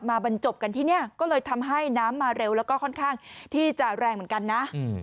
บรรจบกันที่นี่ก็เลยทำให้น้ำมาเร็วแล้วก็ค่อนข้างที่จะแรงเหมือนกันนะ